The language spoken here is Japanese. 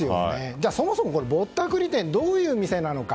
そもそも、ぼったくり店どういう店なのか。